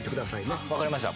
分かりました。